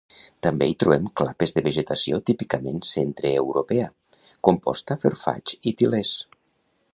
També hi trobem clapes de vegetació típicament centreeuropea, composta per faigs i til·lers.